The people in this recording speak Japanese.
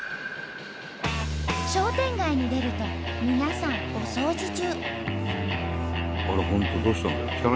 商店街に出ると皆さんお掃除中。